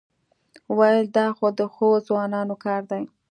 وېل دا خو د ښو ځوانانو کار دی.